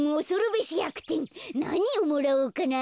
なにをもらおうかな。